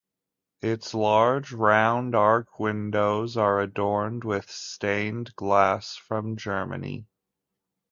Its large round-arch windows are adorned with stained glass from Germany.